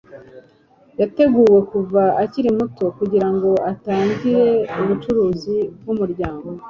yateguwe kuva akiri muto kugirango atangire ubucuruzi bwumuryango